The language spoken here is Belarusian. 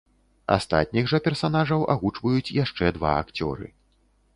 Астатніх жа персанажаў агучваюць яшчэ два акцёры.